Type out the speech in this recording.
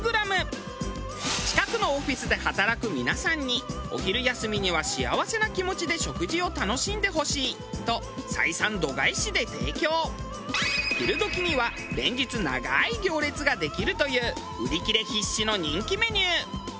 近くのオフィスで働く皆さんにお昼休みには幸せな気持ちで食事を楽しんでほしいと昼時には連日長い行列ができるという売り切れ必至の人気メニュー。